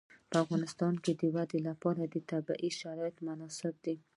په افغانستان کې د وادي لپاره طبیعي شرایط مناسب دي.